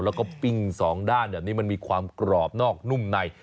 แล้วก็ปิ้งสองด้านแบบนี้มันมีความกรอบนอกนุ่มใน